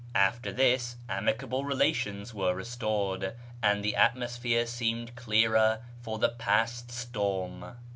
After this, amicable relations were restored, and the atmosphere seemed clearer for the past storm.